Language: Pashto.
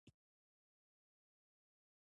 راکټ د فضا د مخابراتو وسیله ده